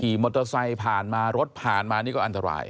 มอเตอร์ไซค์ผ่านมารถผ่านมานี่ก็อันตราย